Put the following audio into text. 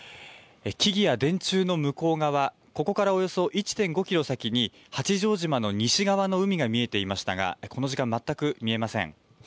木々や電柱の向こう側、ここからおよそ１．５キロ先に八丈島の西側の海が見えていましたがこの時間、全く見えません。